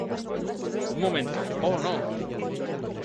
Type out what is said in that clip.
Un momento .¡ oh , no !